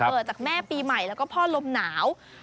จากแม่ปีใหม่แล้วก็พ่อลมหนาว